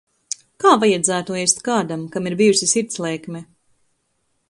Kā vajadzētu ēst kādam, kam ir bijusi sirdslēkme?